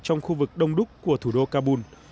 trong khu vực đông đúc của thủ đô kabul